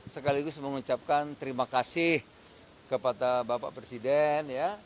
sekaligus mengucapkan terima kasih kepada bapak presiden